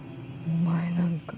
お前なんか。